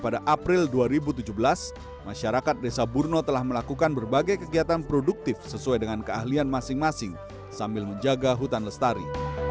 pada april dua ribu tujuh belas masyarakat desa burno telah melakukan berbagai kegiatan produktif sesuai dengan keahlian masing masing sambil menjaga hutan lestari